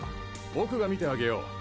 僕が見てあげよう。